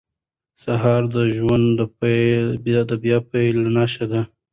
سهار د ژوند د بیا پیل نښه ده.